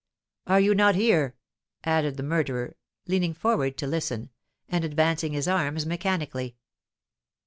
"Are you not here?" added the murderer, leaning forward to listen, and advancing his arms mechanically.